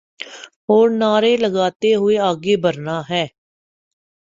اورنعرے لگاتے ہوئے آگے بڑھنا تھا۔